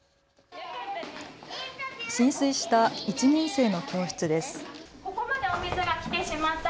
浸水した１年生の教室です。